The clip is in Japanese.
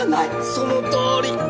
そのとおり！